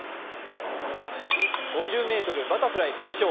５０ｍバタフライ決勝。